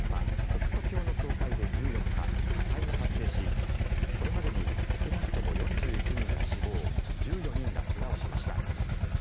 コプト教の教会で１４日、火災が発生しこれまでに少なくとも４１人が死亡１４人が怪我をしました。